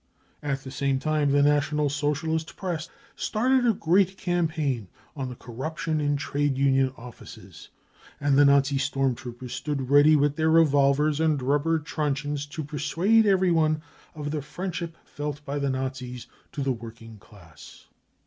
At the same time, the National Socialist Press started a great campaign on the " corruption in trade union offices 55 ; and the Nazi storm troopers stood ready with their revolvers and rubber truncheons to persuade everyone of the friendship felt by the Nazis to the working class.